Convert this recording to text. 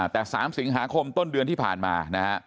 แต่๓สิงหาคมต้นเดือนที่ผ่านมานะฮะ